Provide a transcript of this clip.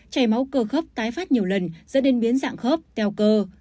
chảy máu cơ khớp tái phát nhiều lần dẫn đến biến dạng khớp teo cơ